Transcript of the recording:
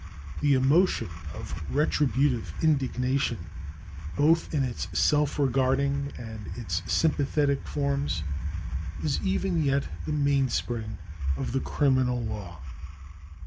The emotion of retributive indignation, both in its self regarding and its sympathetic forms, is even yet the mainspring of the criminal law.